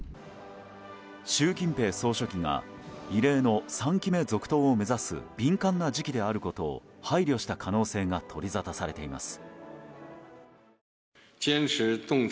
習近平総書記が異例の３期目続投を目指す敏感な時期であることを配慮した可能性が取りざたされています。